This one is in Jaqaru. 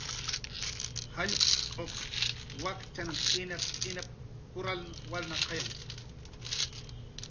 "Jallq'uq wakchan t'inap"" t'inap"" kurlan walnaqayawi"